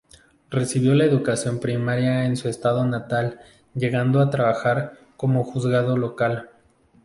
Recibió la educación primaria en su estado natal llegando a trabajar como juzgado local.